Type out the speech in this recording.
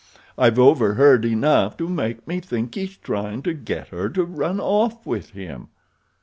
I've overheard enough to make me think he's tryin' to get her to run off with him."